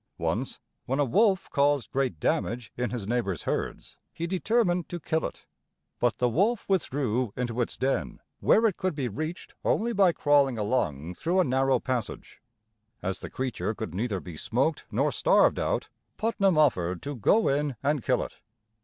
Once, when a wolf caused great damage in his neighbors' herds, he determined to kill it. But the wolf withdrew into its den, where it could be reached only by crawling along through a narrow passage. As the creature could neither be smoked nor starved out, Putnam offered to go in and kill it.